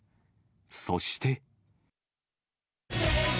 そして。